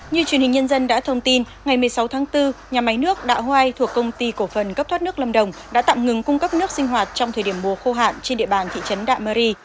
như truyền hình nhân dân đã thông tin ngày một mươi sáu tháng bốn nhà máy nước đạ hoai thuộc công ty cổ phần cấp thoát nước lâm đồng đã tạm ngừng cung cấp nước sinh hoạt trong thời điểm mùa khô hạn trên địa bàn thị trấn đạ mơ ri